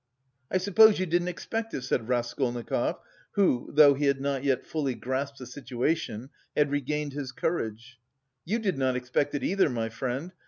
"I suppose you didn't expect it?" said Raskolnikov who, though he had not yet fully grasped the situation, had regained his courage. "You did not expect it either, my friend.